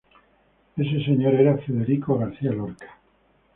Ese señor era Federico García Lorca.